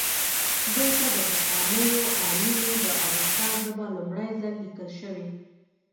دلته د پخوانیو آرینو د اوستا ژبه لومړی ځل لیکل شوې